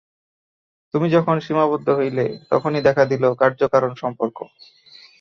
তুমি যখন সীমাবদ্ধ হইলে, তখনই দেখা দিল কার্য-কারণ সম্পর্ক।